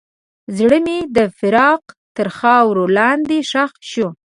زړه مې د فراق تر خاورو لاندې ښخ شو.